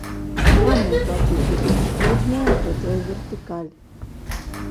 Каму тады будзе патрэбная гэтая вертыкаль?